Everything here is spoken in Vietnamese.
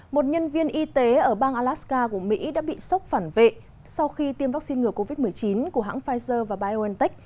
một nhân viên y tế ở bang alaska của mỹ đã bị sốc phản vệ sau khi tiêm vaccine ngừa covid một mươi chín của hãng pfizer và biontech